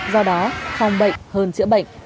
do đó phòng bệnh hơn chữa bệnh